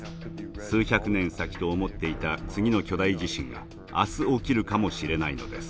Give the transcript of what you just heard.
数百年先と思っていた次の巨大地震が明日起きるかもしれないのです。